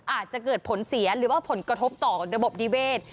อาจจะเกิดผลเสียหรือว่าผลกระทบต่อระบบนิเวศ